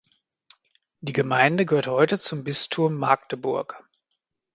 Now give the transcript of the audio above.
Die Gemeinde gehört heute zum Bistum Magdeburg.